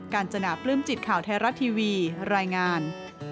การจนาปลื้มจิตข่าวไทยรัฐทีวีรายงาน